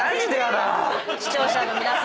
視聴者の皆さんに。